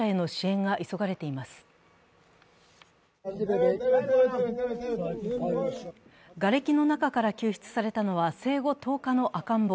がれきの中から救出されたのは生後１０日の赤ん坊。